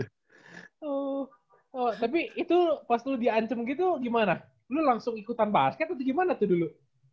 tapi itu pas lu diancam gitu gimana lu langsung ikutan basket atau gimana tuh dulu